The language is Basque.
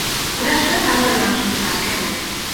Gurasoek amore eman zuten, azkenean.